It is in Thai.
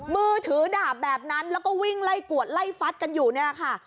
มือถือดาบแบบนั้นแล้วก็วิ่งไล่กวดไล่ฟัดกันอยู่นี่แหละค่ะ